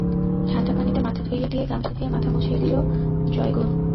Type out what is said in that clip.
ঠান্ডা পানিতে মাথা ধুইয়ে দিয়ে গামছা দিয়ে মাথা মুছিয়ে দিল জয়গুন।